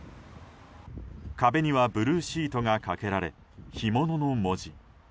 壁にはブルーシートがかけられ「干物」の文字。